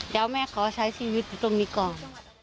เดี๋ยวแม่ขอใช้ชีวิตอยู่ตรงนี้ก่อน